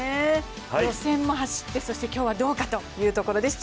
予選も走って、そして今日はどうかというところです。